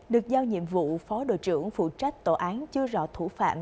được giao nhiệm vụ phó đội trưởng phụ trách tổ án chưa rõ thủ phạm